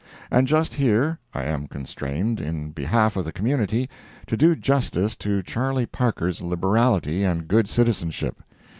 And just here, I am constrained, in behalf of the community, to do justice to Charley Parker's liberality and good citizenship.